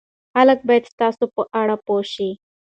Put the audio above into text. خلک باید ستاسو په اړه پوه شي.